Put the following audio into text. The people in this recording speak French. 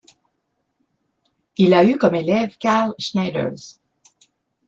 Il a eu comme élève Carl Schneiders.